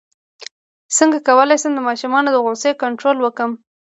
څنګه کولی شم د ماشومانو د غوسې کنټرول وکړم